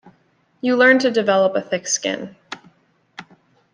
You learn to develop a thick skin.